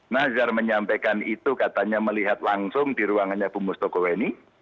nazar menyampaikan itu katanya melihat langsung di ruangannya pumus tokoweni